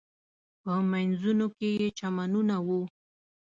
په مینځونو کې یې چمنونه و.